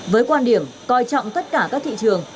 với quan điểm coi trọng tất cả các thị trường